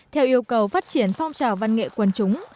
theo yêu cầu phát triển phong trào văn nghệ quần chúng